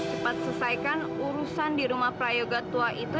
cepat selesaikan urusan di rumah prayoga tua itu